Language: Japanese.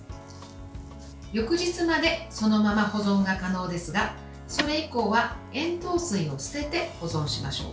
翌日までそのまま保存が可能ですがそれ以降は、塩糖水を捨てて保存しましょう。